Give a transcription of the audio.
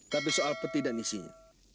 tapi soal peti dan isinya